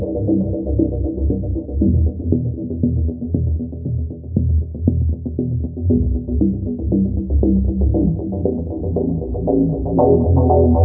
jadi berarti keluarga belum mengenal nama siapa itu